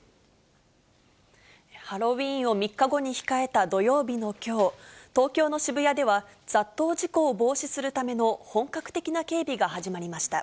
ハロウィーンを３日後に控えた土曜日のきょう、東京の渋谷では、雑踏事故を防止するための本格的な警備が始まりました。